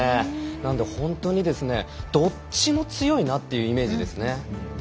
なので本当に、どっちも強いなというイメージです。